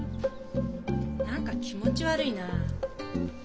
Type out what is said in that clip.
何か気持ち悪いな。